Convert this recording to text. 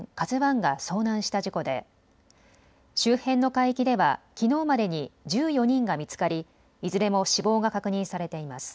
ＫＡＺＵＩが遭難した事故で周辺の海域ではきのうまでに１４人が見つかりいずれも死亡が確認されています。